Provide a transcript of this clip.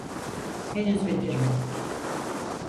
Henüz bitirmedik.